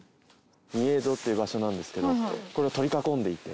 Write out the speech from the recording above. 御影堂っていう場所なんですけどこれを取り囲んでいて。